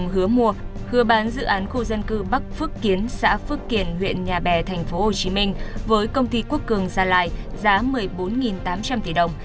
hứa bán dự án khu dân cư bắc phước kiến xã phước kiển huyện nhà bè tp hcm với công ty quốc cường gia lai giá một mươi bốn tám trăm linh tỷ đồng